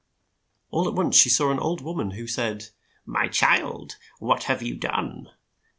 All at once she saw an old wom an, who said, "My child, what have you done?